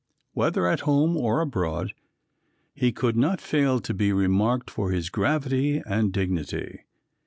Whether at home or abroad he could not fail to be remarked for his gravity and dignity.